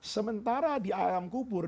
sementara di alam kubur